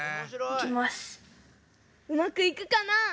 うまくいくかな？